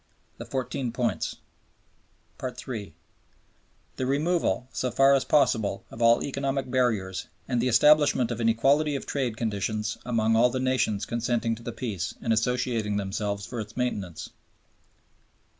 The Fourteen Points. (3). "The removal, so far as possible, of all economic barriers and the establishment of an equality of trade conditions among all the nations consenting to the Peace and associating themselves for its maintenance."